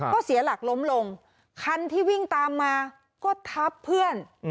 ก็เสียหลักล้มลงคันที่วิ่งตามมาก็ทับเพื่อน